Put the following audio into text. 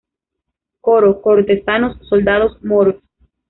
Coro: Cortesanos, soldados, moros.